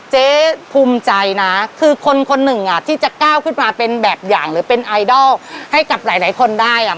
เจ๊ภูมิใจนะคือคนคนหนึ่งอ่ะที่จะก้าวขึ้นมาเป็นแบบอย่างหรือเป็นไอดอลให้กับหลายหลายคนได้อ่ะ